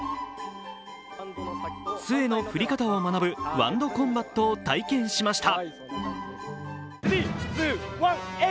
杖の降り方を学ぶ「ワンド・コンバット」を体験しました。